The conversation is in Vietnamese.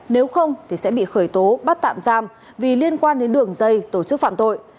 nếu không thì sẽ bị khởi tố bắt tạm giam vì liên quan đến đường dây tổ chức phạm tội